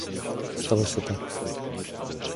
Stalo se tak.